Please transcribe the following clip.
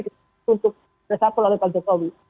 yang dire satul oleh pak jokowi